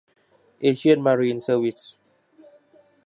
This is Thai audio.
เอเชียน มารีน เซอร์วิสส์